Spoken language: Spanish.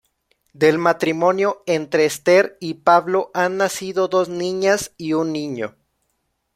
Del matrimonio entre Esther y Pablo han nacido dos niñas y un niño.